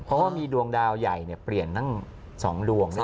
เพราะว่ามีดวงดาวใหญ่เปลี่ยนตั้ง๒ดวง